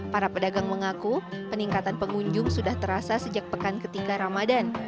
para pedagang mengaku peningkatan pengunjung sudah terasa sejak pekan ketika ramadan